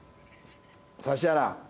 指原。